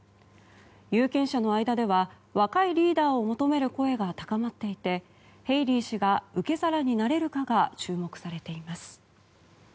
有権者の間では若いリーダーを求める声が高まっていてヘイリー氏が受け皿になれるかが注目されています。